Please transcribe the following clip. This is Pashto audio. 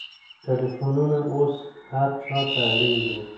ټلېفونونه اوس هر چا ته اړین دي.